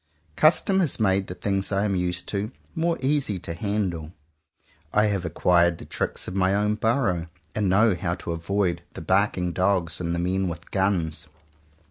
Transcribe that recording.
Custom has made the things I am used to, more easy to handle. I have acquired the tricks of my own burrow, and know how to avoid the barking dogs and the men with guns.